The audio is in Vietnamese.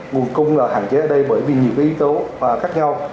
nguồn cung là hạn chế ở đây bởi vì nhiều cái ý tố khác nhau